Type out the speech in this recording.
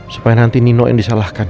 supaya nanti nino yang disalahkan